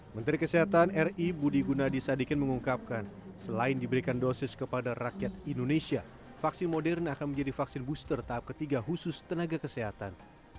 menteri kesehatan ri budi gunadisadikin mengungkapkan selain diberikan dosis kepada rakyat indonesia vaksin modern akan menjadi vaksin booster tahap ketiga khusus tenaga kesehatan